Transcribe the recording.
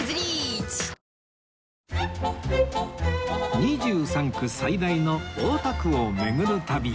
２３区最大の大田区を巡る旅